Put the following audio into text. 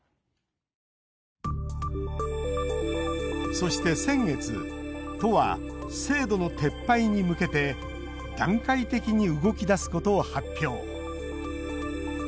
そして、先月都は制度の撤廃に向けて段階的に動き出すことを発表。